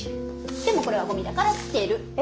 でもこれはゴミだから捨てる。え？